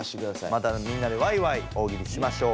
またみんなでワイワイ大喜利しましょう。